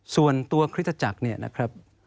ส่วนตัวคริสตจักรนะครับ